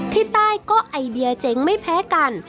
ที่ใต้ก็ไอเดียเจ๋งไม่แพ้กัน